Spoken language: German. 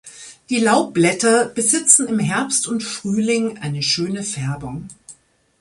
Die Laubblätter besitzen im Herbst und Frühling eine schöne Färbung.